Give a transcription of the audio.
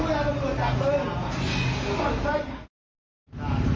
คุณคนกระเป๋าไว้อีก